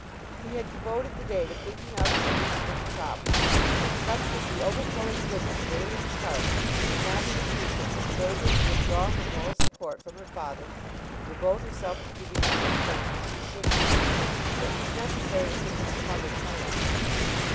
He had devoted the day to thinking out a solution of the problem. Such was the overflowing goodness of Aline's heart that not even he could persuade her to withdraw her moral support from her father and devote herself to keeping up her strength as she should do. It was necessary to think of some other plan.